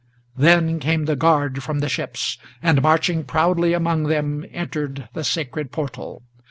Then came the guard from the ships, and marching proudly among them Entered the sacred portal.